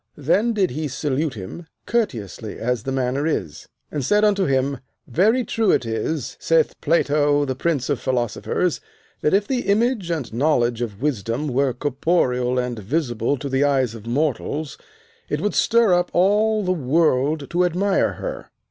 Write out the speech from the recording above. Then did he salute him courteously as the manner is, and said unto him, Very true it is, saith Plato the prince of philosophers, that if the image and knowledge of wisdom were corporeal and visible to the eyes of mortals, it would stir up all the world to admire her.